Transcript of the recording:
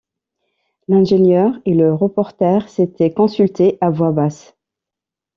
L’ingénieur et le reporter s’étaient consultés à voix basse